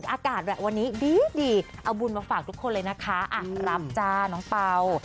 อากาศวันนี้ดีเอาบุญมาฝากทุกคนเลยนะคะรับจ้าน้องเป่า